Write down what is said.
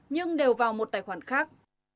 nhưng đều vào một tài khoản khác